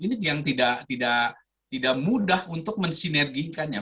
ini yang tidak mudah untuk mensinergikannya